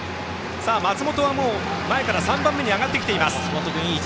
松本は前から３番目に上がってきた。